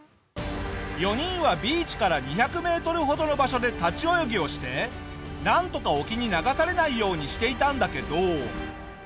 ４人はビーチから２００メートルほどの場所で立ち泳ぎをしてなんとか沖に流されないようにしていたんだけど。